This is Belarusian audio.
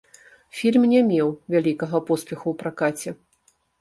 Фільм не меў вялікага поспеху ў пракаце.